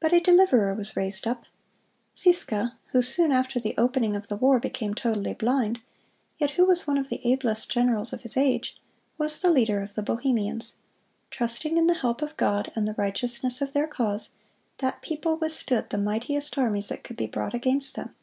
But a deliverer was raised up. Ziska, who soon after the opening of the war became totally blind, yet who was one of the ablest generals of his age, was the leader of the Bohemians. Trusting in the help of God and the righteousness of their cause, that people withstood the mightiest armies that could be brought against them.